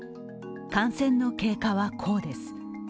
感染の経過は、こうです。